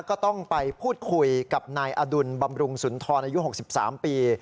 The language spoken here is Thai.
ก็ต้องไปพูดคุยกับนายอดุลบำรุงสุนทรอายุ๖๓ปี